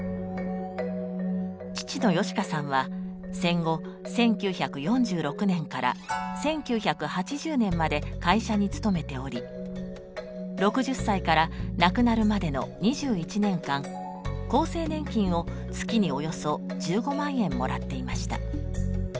父の芳香さんは戦後１９４６年から１９８０年まで会社に勤めており６０歳から亡くなるまでの２１年間厚生年金を月におよそ１５万円もらっていました。